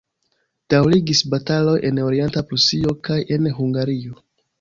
Daŭrigis bataloj en Orienta Prusio kaj en Hungario.